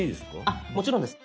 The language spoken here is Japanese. あっもちろんです。